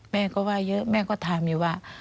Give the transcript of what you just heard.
แม่ก็ว่าเยอะแม่ก็ถามอยู่ว่า